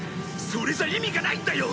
それじゃ意味がないんだよ！